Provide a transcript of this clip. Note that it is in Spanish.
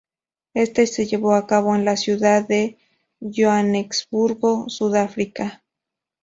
Este se llevó a cabo en la ciudad de Johannesburgo, Sudáfrica.